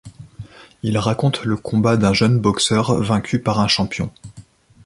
Il raconte le combat d'un jeune boxeur vaincu par un champion.